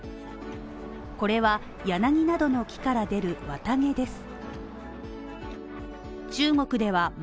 これは柳などの木から出る綿毛です。